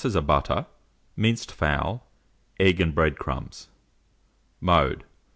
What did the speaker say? of butter, minced fowl, egg, and bread crumbs. Mode.